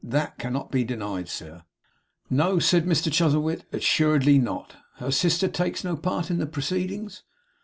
That cannot be denied, sir.' 'No,' said Mr Chuzzlewit, 'assuredly not. Her sister takes no part in the proceedings?